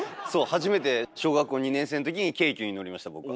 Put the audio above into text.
初めて小学校２年生のときに京急に乗りました僕は。